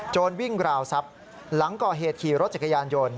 วิ่งราวทรัพย์หลังก่อเหตุขี่รถจักรยานยนต์